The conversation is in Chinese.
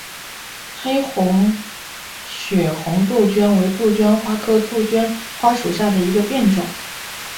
黑红血红杜鹃为杜鹃花科杜鹃花属下的一个变种。